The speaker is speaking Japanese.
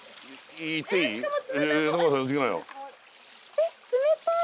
えっ冷たい。